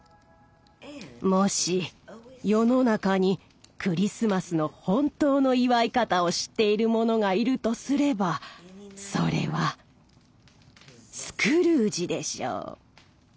もし世の中にクリスマスの本当の祝い方を知っている者がいるとすればそれはスクルージでしょう。